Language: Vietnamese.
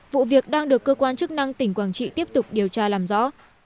vụ việc đang được cơ quan chức năng tỉnh quảng trị tiếp tục điều tra làm rõ